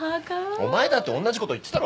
お前だって同じこと言ってたろ。